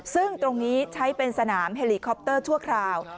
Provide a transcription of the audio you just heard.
ซึ่งตรงนี้ใช้เป็นสนามเฮลีคอปเตอร์ชั่วคราว